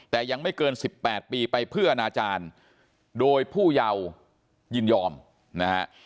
แต่ยังไม่เกิน๑๘ปีไปเพื่ออนาจารย์โดยผู้เยายินยอมนะฮะ